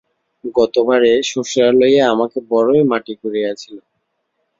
গতবারে শ্বশুরালয়ে আমাকে বড়োই মাটি করিয়াছিল।